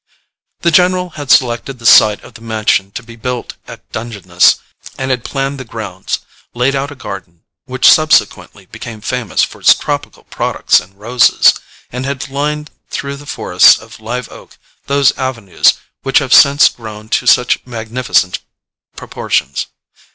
The general had selected the site of the mansion to be built at Dungeness, and had planned the grounds, laid out a garden which subsequently became famous for its tropical products and roses and had lined through the forests of live oak those avenues which have since grown to such magnificent proportions.